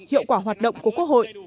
hiệu quả hoạt động của quốc hội